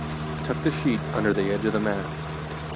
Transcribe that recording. Tuck the sheet under the edge of the mat.